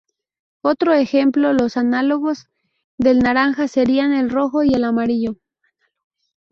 Otro ejemplo los análogos del naranja serían el rojo y el amarillo.